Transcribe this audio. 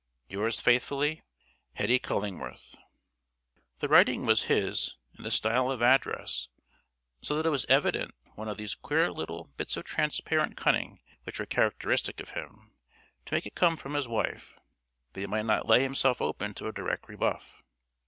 "Yours faithfully, "HETTY CULLINGWORTH." The writing was his and the style of address, so that it was evidently one of those queer little bits of transparent cunning which were characteristic of him, to make it come from his wife, that he might not lay himself open to a direct rebuff.